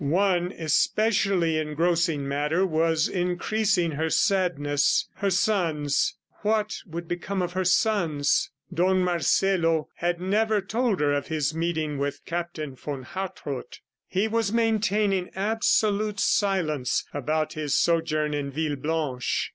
One especially engrossing matter was increasing her sadness. Her sons. ... What would become of her sons! Don Marcelo had never told her of his meeting with Captain von Hartrott. He was maintaining absolute silence about his sojourn at Villeblanche.